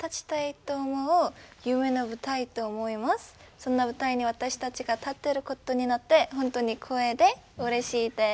そんな舞台に私たちが立っていることになって本当に光栄でうれしいです。